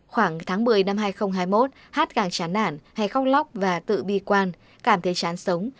khoảng tháng một mươi năm hai nghìn hai mươi một hát càng chán nản hay khóc lóc và tự bi quan cảm thấy chán sống